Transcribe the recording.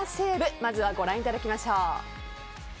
まずはご覧いただきましょう。